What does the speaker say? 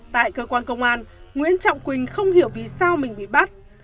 tại cơ quan công an nguyễn trọng quỳnh không hiểu vì sao mình bị bắt